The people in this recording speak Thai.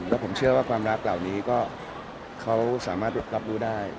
แล้วผมเชื่อว่าความรักเหล่านี้ก็เขาสามารถรับรู้ได้